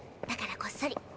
だからこっそり。